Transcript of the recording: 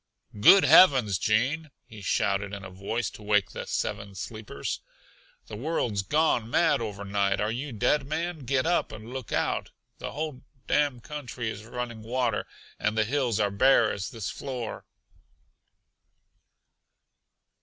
"Good heavens, Gene!" he shouted in a voice to wake the Seven Sleepers. "The world's gone mad overnight. Are you dead, man? Get up and look out. The whole damn country is running water, and the hills are bare as this floor!"